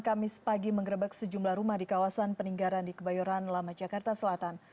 kamis pagi mengerebek sejumlah rumah di kawasan peninggaran di kebayoran lama jakarta selatan